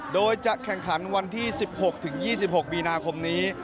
โดยจะแข่งขันวันที่๑๖๒๖มีนาคมนี้